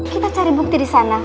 kita cari bukti di sana